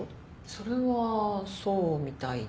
それはそうみたいです。